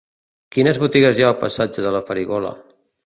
Quines botigues hi ha al passatge de la Farigola?